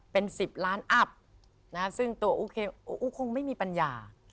เป็น๑๐ล้านอัพซึ่งตัวอูคงไม่มีปัญญา